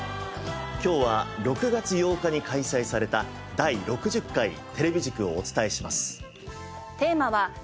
今日は６月８日に開催された第６０回テレビ塾をお伝えします。